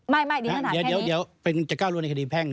ไม่นี่มันถามแค่นี้